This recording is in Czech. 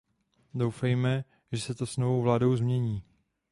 Doufejme, že se to s novou vládou změní.